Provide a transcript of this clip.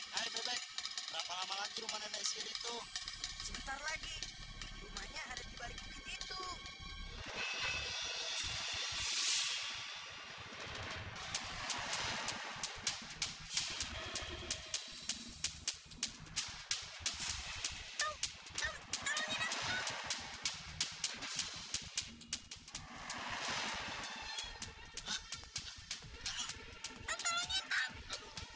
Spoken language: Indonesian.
hai bebek berapa lama lagi rumahnya naik segera itu sebentar lagi rumahnya ada di balik itu